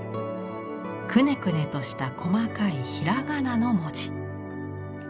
くねくねとした細かいひらがなの文字。